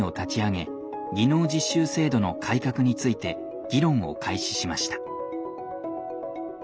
技能実習制度の改革について議論を開始しました。